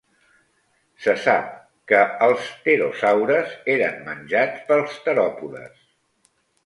Se sap que els pterosaures eren menjats pels teròpodes.